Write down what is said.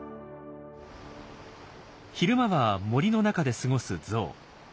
昼間は森の中で過ごすゾウ。